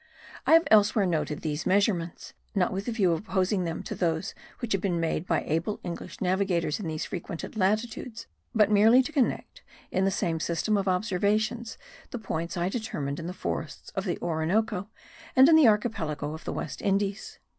I have elsewhere noted these measurements, not with the view of opposing them to those which have been made by able English navigators in these frequented latitudes, but merely to connect, in the same system of observations, the points I determined in the forests of the Orinoco and in the archipelago of the West Indies.